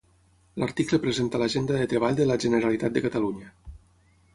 L'article presenta l'agenda de treball de la Generalitat de Catalunya.